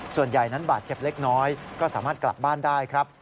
ส่วนใหญ่นั้นบาดเจ็บเล็กน้อยก็สามารถกลับบ้านได้ครับ